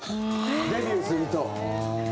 デビューすると。